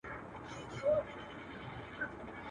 پرته له جنګه نور نکلونه لرې؟.